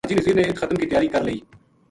حاجی نزیر نے اِت ختم کی تیار ی کر لئی